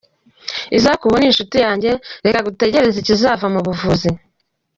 Isaac ubu ni inshuti yanjye , reka dutegereze ikizava mu buvuzi .